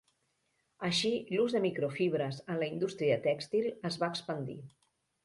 Així l'ús de microfibres en la indústria tèxtil es va expandir.